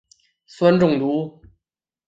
酸中毒。